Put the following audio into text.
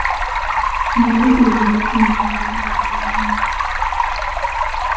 Меры по ликвидации международного терроризма.